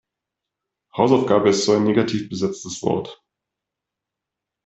Hausaufgabe ist so ein negativ besetztes Wort.